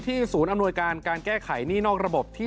ศูนย์อำนวยการการแก้ไขหนี้นอกระบบที่